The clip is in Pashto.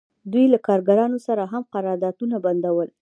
دوی له کارګرانو سره هم قراردادونه بندول